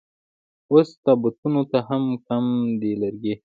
اوس تابوتونو ته هم کم دي لرګي